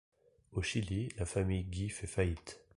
Au Chili, la famille Guy fait faillite.